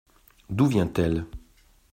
D’où vient-elle ?